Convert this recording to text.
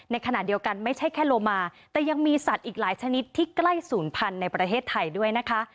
ในขณะเดียวกันไม่ใช่แค่โลมาแต่ยังมีสัตว์อีกหลายชนิดที่ใกล้ศูนย์พันธุ์ในประเทศไทยด้วยนะคะ